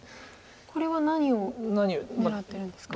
これは何を狙ってるんですか？